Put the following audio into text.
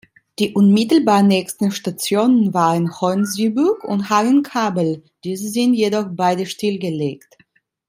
Die unmittelbar nächsten Stationen waren Hohensyburg und Hagen-Kabel, diese sind jedoch beide stillgelegt.